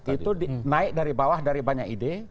itu naik dari bawah dari banyak ide